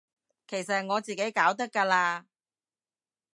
其實我自己搞得㗎喇